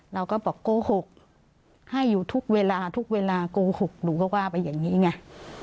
เราก็บอกโกหกให้อยู่ทุกเวลาทุกเวลาโกหกหนูก็ว่าไปอย่างนี้ไง